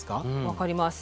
分かります。